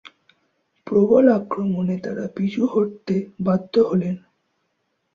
প্রবল আক্রমণে তারা পিছু হটতে বাধ্য হলেন।